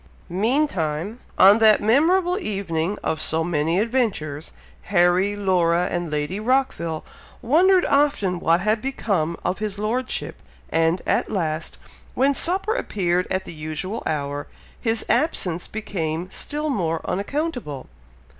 Meantime, on that memorable evening of so many adventures, Harry, Laura, and Lady Rockville, wondered often what had become of his Lordship, and, at last, when supper appeared at the usual hour, his absence became still more unaccountable!